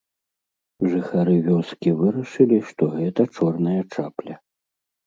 Жыхары вёскі вырашылі, што гэта чорная чапля.